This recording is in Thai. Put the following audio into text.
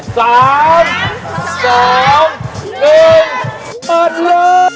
เปิดแล้ว